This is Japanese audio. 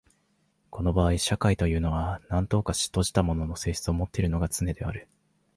この場合社会というのは何等か閉じたものの性質をもっているのがつねである。